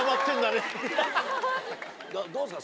どうですか？